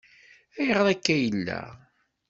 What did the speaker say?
Ayɣer akka i yella?